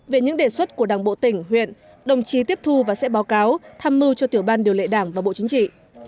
về những đề xuất của đảng bộ tỉnh huyện đồng chí tiếp thu và sẽ báo cáo tham mưu cho tiểu ban điều lệ đảng và bộ chính trị